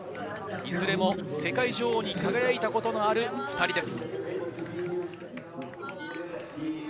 いずれも世界女王に輝いたことのある２人です。